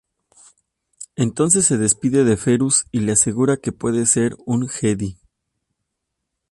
Entonces se despide de Ferus y le asegura que puede ser un Jedi.